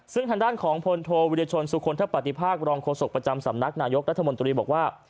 ซึ่งทางด้านของพลโทวิรชนสุคลทปฏิภาครองโฆษกประจำสำนักนายกรัฐมนตรีบอกว่า